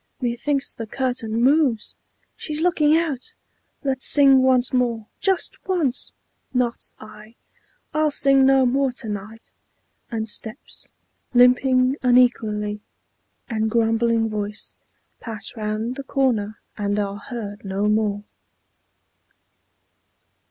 _ Methinks the curtain moves! She's looking out! Let's sing once more! Just once!" "Not I. I'll sing no more to night!" and steps Limping unequally, and grumbling voice, Pass round the corner, and are heard no more.